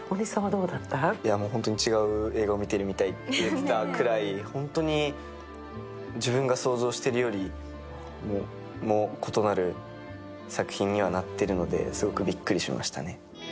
本当に違う映画を見ているとみたいと言っていたくらい本当に自分が想像しているよりも異なる作品にはなっているので、すごくびっくりしましたね。